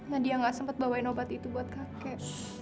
nadia gak sempat bawain obat itu buat kakek